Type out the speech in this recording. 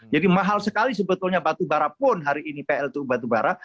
jadi mahal sekali sebetulnya batu bara pun hari ini pltu batu bara